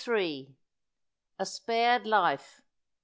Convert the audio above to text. A SPARED LIFE.